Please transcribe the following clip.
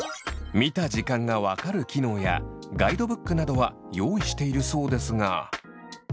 見た時間が分かる機能やガイドブックなどは用意しているそうですが。